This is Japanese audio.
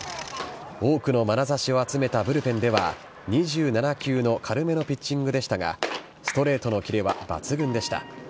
多くのまなざしを集めたブルペンでは、２７球の軽めのピッチングでしたが、ストレートの切れは抜群でした。